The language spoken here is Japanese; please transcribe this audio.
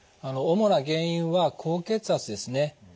主な原因は高血圧ですね。